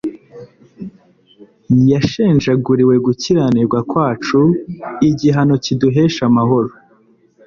Yashenjaguriwe gukiranirwa kwacu, igihano kiduhesha amahoro